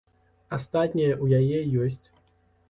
Астатняе ў яе ёсць.